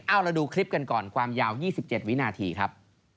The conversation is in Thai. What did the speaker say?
เอาเราดูคลิปกันก่อนความยาว๒๗วินาทีครับ